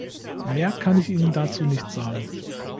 Mehr kann ich Ihnen dazu nicht sagen.